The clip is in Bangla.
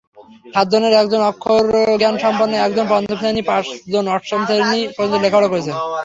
সাতজনের একজন অক্ষরজ্ঞানসম্পন্ন, একজন পঞ্চম শ্রেণি, পাঁচজন অষ্টম শ্রেণি পর্যন্ত লেখাপড়া করেছেন।